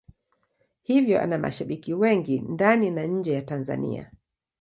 Hivyo ana mashabiki wengi ndani na nje ya Tanzania.